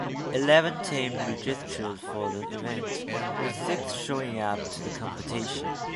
Eleven teams registered for the event, with six showing up to the competition.